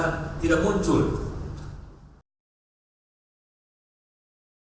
jadi rk bscript telah mengikat k numburan terlebih daging ini